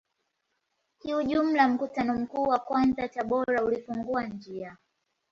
Kiujumla mkutano mkuu wa kwanza Tabora ulifungua njia